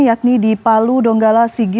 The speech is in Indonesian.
yakni di palu donggala sigi